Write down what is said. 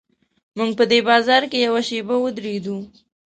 موږ په دې بازار کې یوه شېبه ودرېدو.